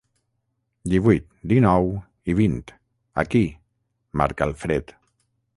Divuit, dinou i vint, aquí –marca el Fred.